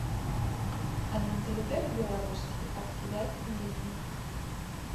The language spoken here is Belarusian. А менталітэт беларускі адкідаць нельга.